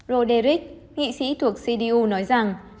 roderich nghị sĩ thuộc cdu nói rằng